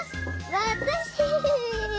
わたし。